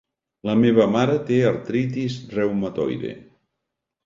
LA meva mare té artritis reumatoide.